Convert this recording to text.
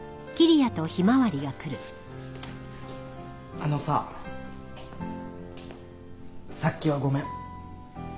あのささっきはごめん。